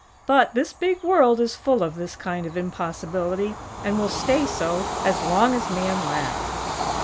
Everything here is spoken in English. But this big world is full of this kind of impossibility, and will stay so as long as Man lasts.